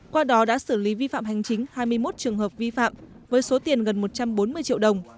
qua đó đã xử lý vi phạm hành chính hai mươi một trường hợp vi phạm với số tiền gần một trăm bốn mươi triệu đồng